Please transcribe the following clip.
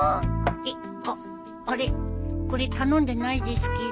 えっあっあれこれ頼んでないですけど。